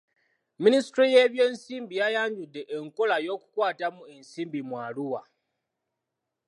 Minisitule y'ebyensimbi yayanjudde enkola y'okukwatamu ensimbi mu Arua.